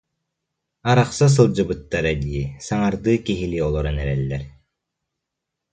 Арахса сылдьыбыттара дии, саҥардыы киһилии олорон эрэллэр